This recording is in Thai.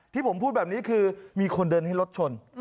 ที่ผมพูดแบบนี้คือมีคนเดินให้รถชน